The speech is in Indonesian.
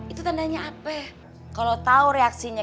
itu tandanya apa kalau tahu reaksinya